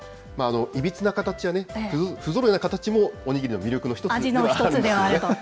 いびつな形や不ぞろいな形もお握りの魅力の一つではあるんで味の一つではあると？